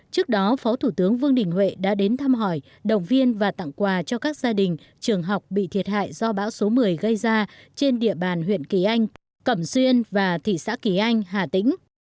trước đó phó thủ tướng vương đình huệ đã đến thăm hỏi động viên và tặng quà cho các gia đình trường học bị thiệt hại do bão số một mươi gây ra trên địa bàn huyện kỳ anh cẩm xuyên và thị xã kỳ anh hà tĩnh